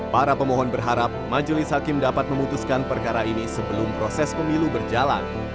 para pemohon berharap majelis hakim dapat memutuskan perkara ini sebelum proses pemilu berjalan